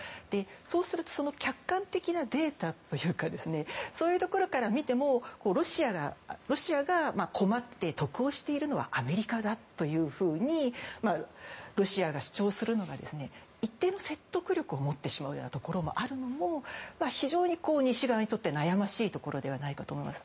そうすると客観的なデータというかそういうところから見てもロシアが困って得をしているのはアメリカだというふうにロシアが主張するのが一定の説得力を持ってしまうようなところがあるのも、非常に西側にとって悩ましいところではないかと思います。